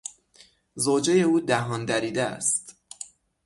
زوجهی او دهان دریده است.